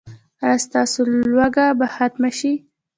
ایا ستاسو لوږه به ختمه شي؟